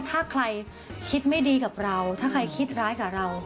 ถ้าใครคิดไม่ดีกับเราถ้าใครคิดร้ายกับเรา